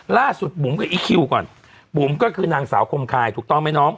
บุ๋มกับอีคิวก่อนบุ๋มก็คือนางสาวคมคายถูกต้องไหมน้อง